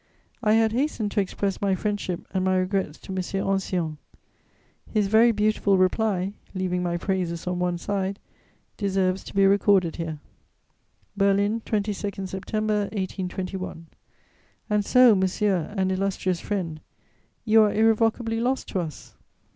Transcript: I had hastened to express my friendship and my regrets to M. Ancillon: his very beautiful reply (leaving my praises on one side) deserves to be recorded here: "BERLIN, 22 September 1821. "And so, monsieur and illustrious friend, you are irrevocably lost to us?